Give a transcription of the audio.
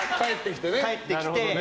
帰ってきて。